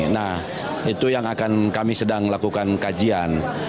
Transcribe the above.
nah itu yang akan kami sedang lakukan kajian